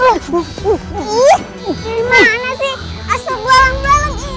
dimana sih asal belalang belalang ini